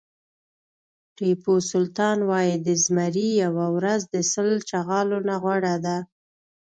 ټيپو سلطان وایي د زمري یوه ورځ د سل چغالو نه غوره ده.